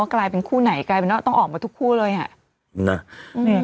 กลายเป็นคู่ไหนกลายเป็นว่าต้องออกมาทุกคู่เลยอ่ะ